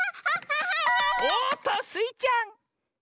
おっとスイちゃん！